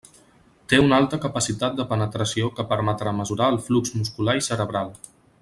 Té una alta capacitat de penetració que permetrà mesurar el flux muscular i cerebral.